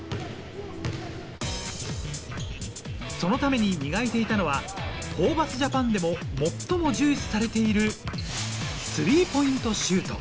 そのために磨いていたのはホーバスＪＡＰＡＮでも最も重視されている、スリーポイントシュート。